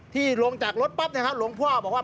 ที่หลวงจากรถปั้ดหลวงพ่อบอกว่า